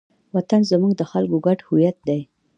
وطن زموږ د خلکو ګډ هویت دی.